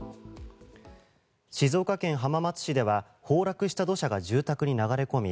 静岡県浜松市では崩落した土砂が住宅に流れ込み